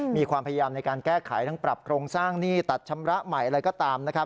มีความพยายามในการแก้ไขทั้งปรับโครงสร้างหนี้ตัดชำระใหม่อะไรก็ตามนะครับ